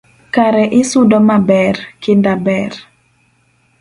Kare isudo maber, kinda ber